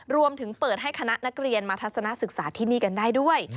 รวมถึงเปิดให้คณะนักเรียนมาทัศนะศึกษาที่นี่กันได้ด้วย